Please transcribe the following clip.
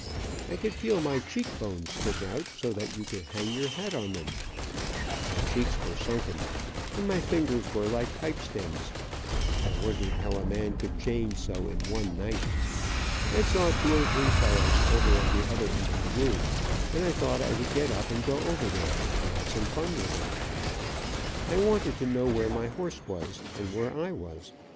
I could feel my cheek bones stick out so that you could hang your hat on them. My cheeks were sunken, and my fingers were like pipe stems. I wondered how a man could change so in one night. I saw two or three fellows over at the other end of the room, and I thought I would get up and go over there and have some fun with them. I wanted to know where my horse was, and where I was.